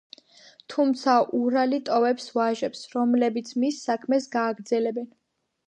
თუმცა ურალი ტოვებს ვაჟებს, რომლების მის საქმეს გააგრძელებენ.